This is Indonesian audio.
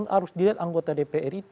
harus dilihat anggota dpr